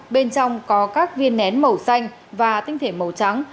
bên trong có các viên nén màu xanh và tinh thể màu trắng